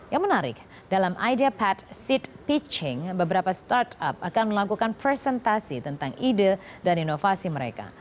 yang menarik dalam idea pad seed pitching beberapa startup akan melakukan presentasi tentang ide dan inovasi mereka